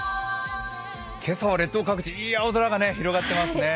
今朝は列島各地、いい青空が広がっていますね。